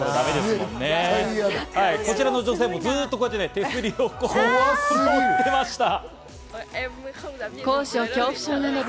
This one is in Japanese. こちらの女性もずっと手すりを持ってました。